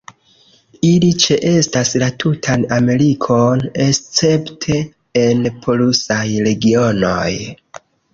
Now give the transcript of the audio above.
Ili ĉeestas la tutan Amerikon escepte en polusaj regionoj.